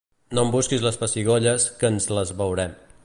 No em busquis les pessigolles que ens les veurem.